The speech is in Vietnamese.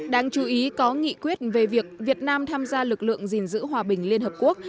đáng chú ý có nghị quyết về việc việt nam tham gia lực lượng gìn giữ hòa bình liên hợp quốc